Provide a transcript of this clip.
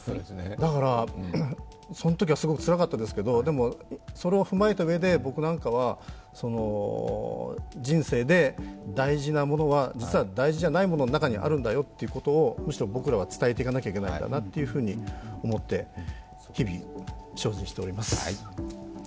だから、そのときはすごくつらかったですけど、でもそれを踏まえたうえで僕なんかは人生で大事なものは実は大事じゃないことの中にあるんだよということはむしろ僕らは伝えていかなきゃいけないんだなと思って日々、精進しております。